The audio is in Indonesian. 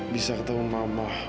bisa ketemu mama